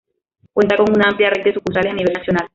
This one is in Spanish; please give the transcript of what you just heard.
Cuenta con una amplia red de sucursales a nivel nacional.